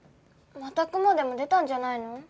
またクモでも出たんじゃないの？